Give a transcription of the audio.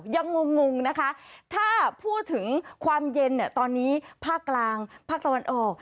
งงนะคะถ้าพูดถึงความเย็นตอนนี้ภาคกลางภาคตะวันออก